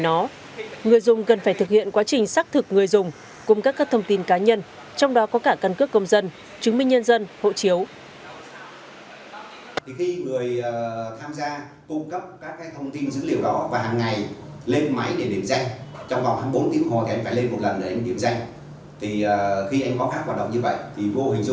người dùng cần phải thực hiện quá trình xác thực người dùng cung cấp các thông tin cá nhân trong đó có cả căn cước công dân chứng minh nhân dân hộ chiếu